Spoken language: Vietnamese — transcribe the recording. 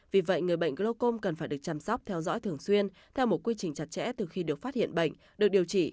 vì vậy người bệnh glocom cần phải được chăm sóc theo dõi thường xuyên theo một quy trình chặt chẽ từ khi được phát hiện bệnh được điều trị